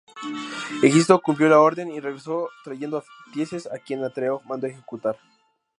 Egisto cumplió la orden y regresó trayendo a Tiestes, a quien Atreo mandó ejecutar.